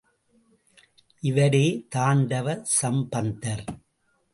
இவரே தாண்டவ சம்பந்தர்.